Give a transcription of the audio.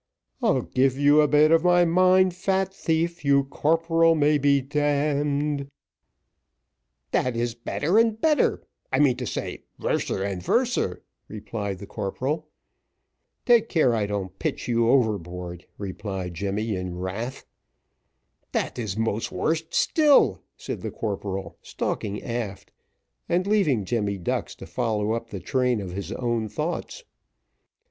"I'll give you a bit of my mind, fat thief, You, corporal, may be d d." "Dat is better and better I mean to say, worser and worser," replied the corporal. "Take care I don't pitch you overboard," replied Jemmy, in wrath. "Dat is most worse still," said the corporal, stalking aft, and leaving Jemmy Ducks to follow up the train of his own thoughts.